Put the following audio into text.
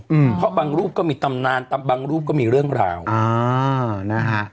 อืมเพราะบางรูปก็มีตำนานตำบางรูปก็มีเรื่องราวอ่านะฮะ